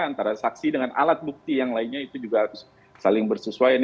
antara saksi dengan alat bukti yang lainnya itu juga harus saling bersesuaian